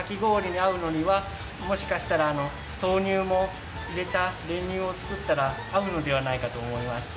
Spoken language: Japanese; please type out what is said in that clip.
もしかしたら豆乳を入れた練乳を作ったら合うのではないかと思いまして。